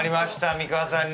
美川さんに。